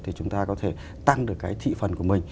thì chúng ta có thể tăng được cái thị phần của mình